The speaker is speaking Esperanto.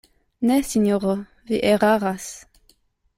Ne, sinjoro, vi eraras.